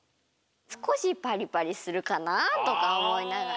すこしパリパリするかな？とかおもいながら。